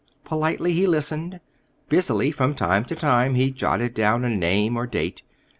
Politely he listened. Busily, from time to time, he jotted down a name or date.